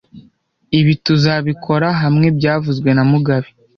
Ibi tuzabikora hamwe byavuzwe na mugabe